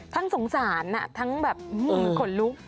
ทั้งสงสารน่ะทั้งแบบอื้อขนลุก